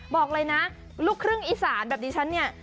บอกเลยนะลูกครึ่งอีสานแบบนี้ฉันเนี่ย